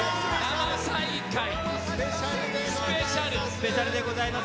スペシャルでございます。